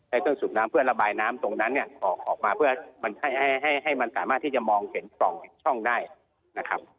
เครื่องสูบน้ำเพื่อระบายน้ำตรงนั้นเนี่ยออกมาเพื่อมันให้มันสามารถที่จะมองเห็นปล่องช่องได้นะครับ